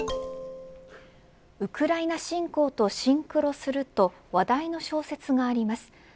ウクライナ侵攻とシンクロすると話題の小説があります。